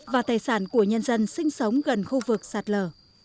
và tài sản của nhân dân sinh sống gần khu vực sạt lở